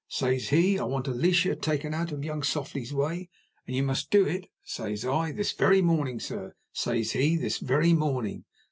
Says he, 'I want Alicia taken out of young Softly's way, and you must do it.' Says I, 'This very morning, sir?' Says he, 'This very morning.